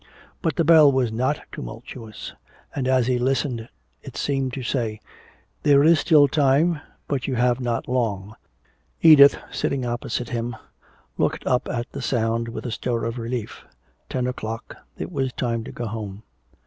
But the bell was not tumultuous. And as he listened it seemed to say, "There is still time, but you have not long." Edith, sitting opposite him, looked up at the sound with a stir of relief. Ten o'clock. It was time to go home.